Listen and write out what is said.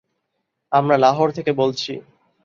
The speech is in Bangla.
আমরা লাহোর থেকে বলছি।